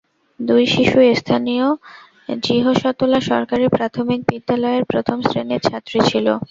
দুই শিশুই স্থানীয় জিহসতলা সরকারি প্রাথমিক বিদ্যালয়ের প্রথম শ্রেণির ছাত্রী ছিল।